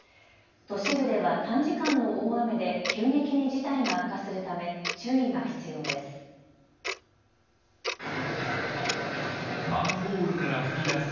都市部では短時間の大雨で急激に事態が悪化するため注意が必要です。